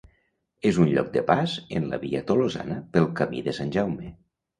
És un lloc de pas en la Via Tolosana del Camí de Sant Jaume.